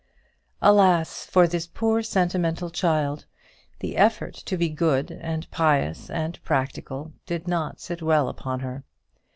Alas for this poor sentimental child! the effort to be good, and pious, and practical did not sit well upon her.